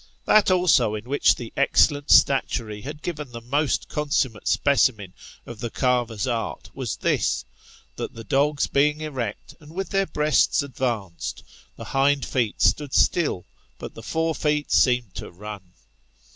That also in which the excellent statuary had given the most consummate specimen of the carver's art was this, that the dogs being erect, and with their breasts ad vanced, the hind feet stood still, but the fore feet seemed to run.